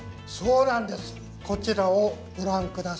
こちらをご覧下さい。